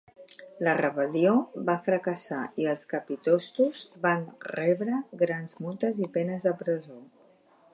La rebel·lió va fracassar, i els capitostos van rebre grans multes i penes de presó.